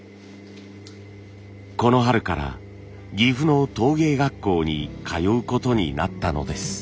この春から岐阜の陶芸学校に通うことになったのです。